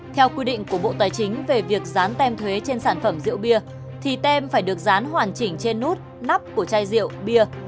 theo quy định của bộ tài chính về việc dán tem thuế trên sản phẩm rượu bia thì tem phải được dán hoàn chỉnh trên nút nắp của chai rượu bia